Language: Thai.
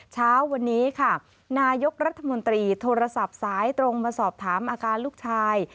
เช้าวันนี้ค่ะนายกรัฐมนตรีโทรศัพท์สายตรงมาสอบถามอาการลูกชาย